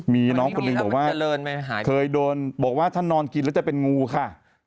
มีน้องคนหนึ่งบอกว่าเคยโดนบอกว่าถ้านอนกินแล้วจะเป็นงูค่ะ